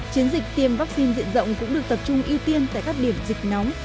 chiến dịch tiêm vaccine diện rộng cũng được tập trung ưu tiên tại các điểm dịch nóng